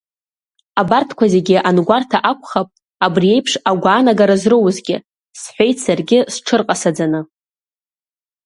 Абарҭқәа зегьы ангәарҭа акәхап, абри еиԥш агәаанагара зроузгьы, — сҳәеит, саргьы сҽырҟасаӡаны.